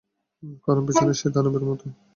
কারণ, বিছানায় সে দানবের মতো!